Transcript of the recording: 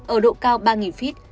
ở độ cao ba feet